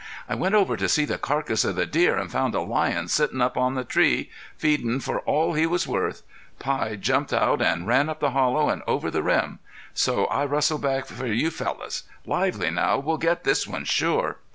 "I went over to see the carcass of the deer an' found a lion sittin' up in the tree, feedin' for all he was worth. Pie jumped out an' ran up the hollow an' over the rim. So I rustled back for you fellows. Lively now, we'll get this one sure."